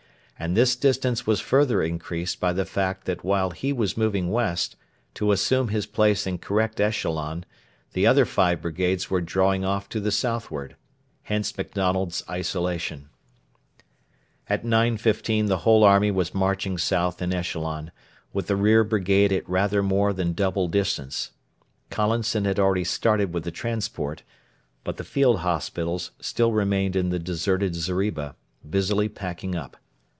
And this distance was further increased by the fact that while he was moving west, to assume his place in correct echelon, the other five brigades were drawing off to the southward. Hence MacDonald's isolation. At 9.15 the whole army was marching south in echelon, with the rear brigade at rather more than double distance. Collinson had already started with the transport, but the field hospitals still remained in the deserted zeriba, busily packing up.